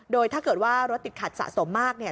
โดยถ้าเกิดว่ารถติดขัดสะสมมากเนี่ย